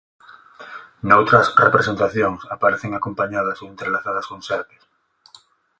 Noutras representacións aparecen acompañadas ou entrelazadas con serpes.